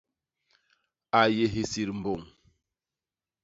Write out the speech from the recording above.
A yé hisit mbôñ.